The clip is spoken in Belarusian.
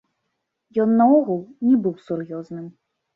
Ён наогул не быў сур'ёзным.